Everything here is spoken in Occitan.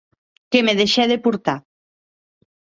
Que m'è deishat portar!